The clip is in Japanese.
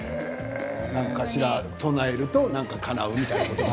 何かしら唱えると何かかなうと。